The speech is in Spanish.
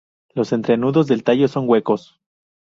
Los entrenudos del tallo son huecos.